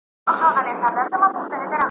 يوه ورځ پر دغه ځمکه .